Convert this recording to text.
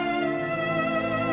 saya udah nggak peduli